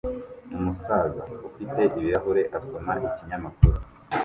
Umusaza ufite ibirahure asoma ikinyamakuru